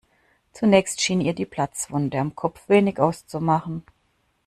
Zunächst schien ihr die Platzwunde am Kopf wenig auszumachen.